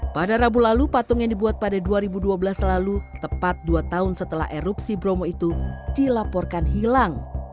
pada rabu lalu patung yang dibuat pada dua ribu dua belas lalu tepat dua tahun setelah erupsi bromo itu dilaporkan hilang